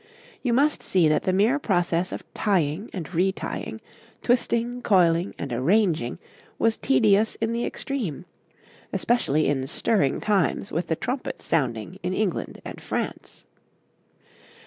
You must see that the mere process of tying and retying, twisting, coiling and arranging, was tedious in the extreme, especially in stirring times with the trumpets sounding in England and France.